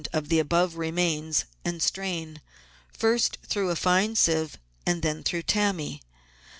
of the above remains, and strain, first through a fine sieve and then through tammy.